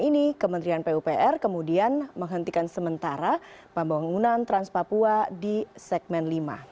ini kementerian pupr kemudian menghentikan sementara pembangunan trans papua di segmen lima